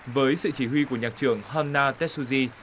với sự chỉ huy của nhạc trưởng hanna tetsuji